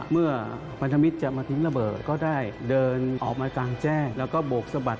เมื่อพันธมิตรจะมาทิ้งระเบิดก็ได้เดินออกมากลางแจ้งแล้วก็โบกสะบัด